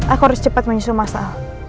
aku harus cepat menyusul mas al